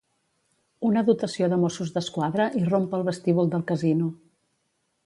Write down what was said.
Una dotació de Mossos d'Esquadra irromp al vestíbul del casino.